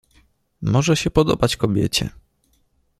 "Może się podobać kobiecie."